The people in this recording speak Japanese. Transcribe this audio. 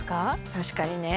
確かにね